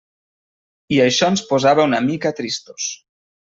I això ens posava una mica tristos.